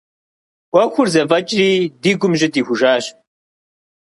Ӏуэхур зэфӀэкӀри, ди гум жьы дихужащ.